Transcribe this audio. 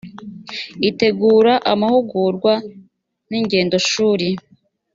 itegura amahugurwa n ingendoshuri